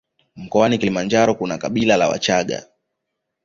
Mkoani Kilimanjaro kuna kabila la wachaga